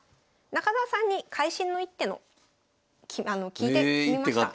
中澤さんに会心の一手の聞いてみました。